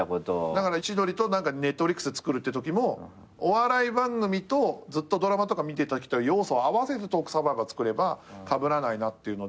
だから千鳥と何かＮｅｔｆｌｉｘで作るっていうときもお笑い番組とずっとドラマとか見てたときと要素を合わせて『トークサバイバー』作ればかぶらないなっていうので。